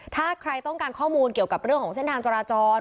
ถ้าใครต้องการข้อมูลเกี่ยวกับเรื่องของเส้นทางจราจร